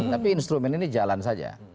tapi instrumen ini jalan saja